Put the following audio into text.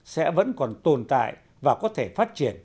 sẽ vẫn còn tồn tại và có thể phát triển